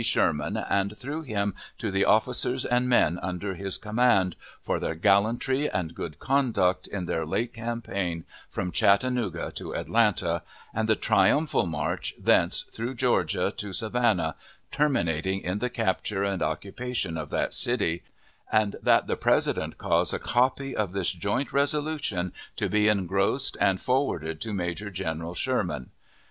Sherman, and through him to the officers and men under his command, for their gallantry and good conduct in their late campaign from Chattanooga to Atlanta, and the triumphal march thence through Georgia to Savannah, terminating in the capture and occupation of that city; and that the President cause a copy of this joint resolution to be engrossed and forwarded to Major General Sherman.